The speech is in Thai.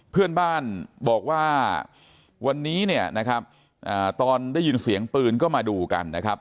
เพื่อนบ้านบอกว่าวันนี้เนี่ยนะครับตอนได้ยินเสียงปืนก็มาดูกันนะครับ